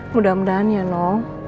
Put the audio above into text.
mudah mudahan ya noh